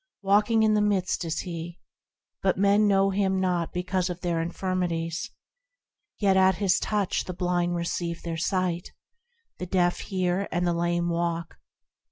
Walking in the midst is He, But men know Him not because of their infirmities ; Yet at His touch the blind receive their sight, The deaf hear, and the lame walk.